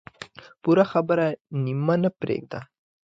پوره خبره نیمه نه پرېږده.